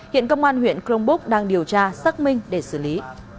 hiện công an huyện crong búc đang điều tra xác minh để xử lý